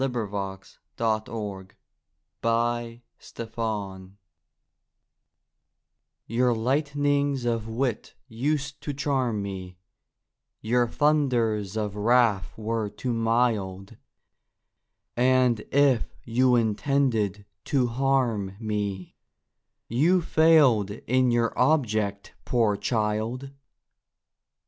SONGS AND DREAMS To You Your lightnings of wit used to charm me, Your thunders of wrath were too mild; And if you intended to harm me, You failed in your object, poor child.